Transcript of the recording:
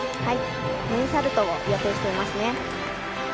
ムーンサルトを予定していますね。